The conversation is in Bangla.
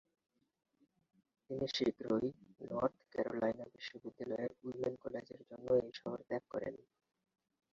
তিনি শীঘ্রই নর্থ ক্যারোলাইনা বিশ্ববিদ্যালয়ের উইমেন কলেজের জন্য এই শহর ত্যাগ করেন।